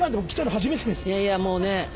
いやいやもうね。